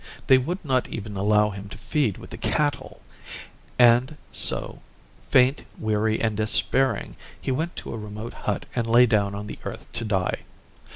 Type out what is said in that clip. They would not even allow him to feed with the cattle; and so, faint, weary, and despairing, he went to a remote hut and lay down on the earth to die.